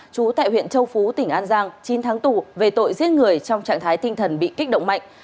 chú tại huyện châu phú tỉnh an giang chín tháng tù về tội giết người trong trạng thái tinh thần bị kích động mạnh